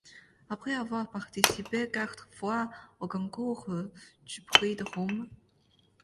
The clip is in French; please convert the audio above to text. Après avoir participé quatre fois au concours du prix de Rome.